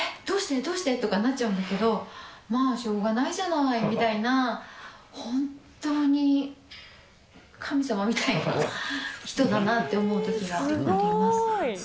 どうして？とかってなっちゃうんだけど、まあしょうがないじゃないみたいな、本当に神様みたいな人だなって思うときがあります。